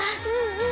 うん。